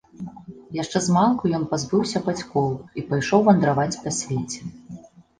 Яшчэ змалку ён пазбыўся бацькоў і пайшоў вандраваць па свеце.